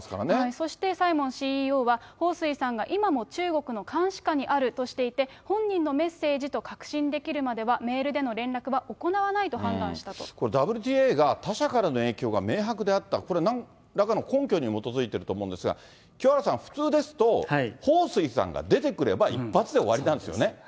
そして、サイモンＣＥＯは彭帥さんが今も中国の監視下にあるとしていて、本人のメッセージと確信できるまではメールでの連絡は行わないとこれ、ＷＴＡが他者からの影響が明白であった、これ、なんらかの根拠に基づいてると思うんですが、清原さん、普通ですと、彭帥さんが出てくれば一発で終わりなんですよね。